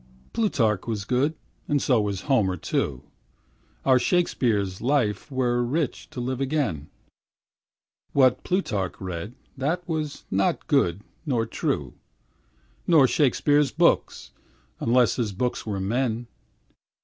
Plutarch was good, and so was Homer too, Our Shakespeare's life were rich to live again, What Plutarch read, that was not good nor true, Nor Shakespeare's books, unless his books were men.